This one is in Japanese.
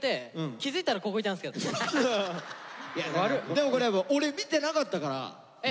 でもこれ俺見てなかったから。え？